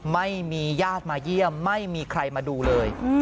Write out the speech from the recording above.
ไม่มีญาติมาเยี่ยมไม่มีใครมาดูเลย